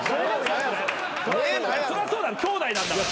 そりゃそうだろ兄弟なんだから。